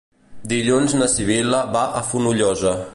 Dilluns na Sibil·la va a Fonollosa.